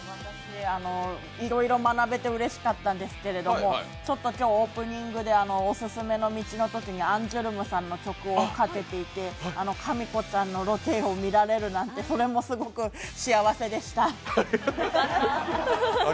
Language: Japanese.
いろいろ学べてうれしかったんですけれどもちょっとオープニングでオススメの道のときにアンジュルムさんの曲をかけていて、かみこちゃんのロケを見られるなんて、それもすごく幸せでした。